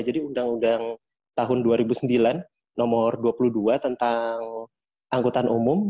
jadi undang undang tahun dua ribu sembilan nomor dua puluh dua tentang anggutan umum